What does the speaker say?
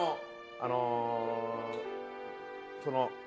あのその。